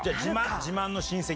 自慢の親戚？